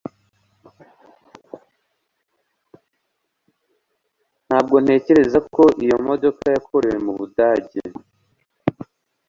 Ntabwo ntekereza ko iyi modoka yakorewe mu Budage